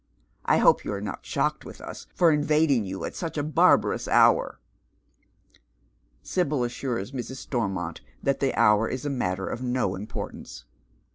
I hope you arc not shocked witli us for invading you at such a barbarous hour." Sibyl assures Mrs. Stormont that the hour is a matter of no importance.